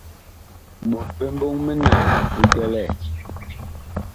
Ɓot bi mbɔŋ minaa bu bi tɛlɛɛ.